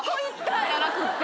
やなくって。